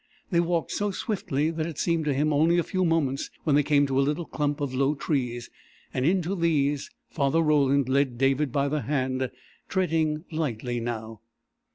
They walked so swiftly that it seemed to him only a few moments when they came to a little clump of low trees, and into these Father Roland led David by the hand, treading lightly now.